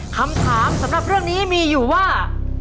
คำถามสำหรับเรื่องนี้มีอยู่ว่า